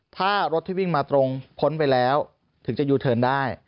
ถ้ารถที่วิ่งมาตรงพ้นไปแล้วถึงจะยูเทิร์นได้